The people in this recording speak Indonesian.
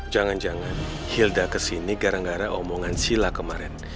jangan jangan hilda kesini gara gara omongan sila kemarin